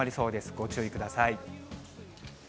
ご注意ください。